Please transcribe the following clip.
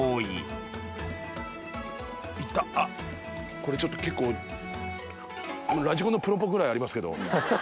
これちょっと結構ラジコンのプロポぐらいありますけど。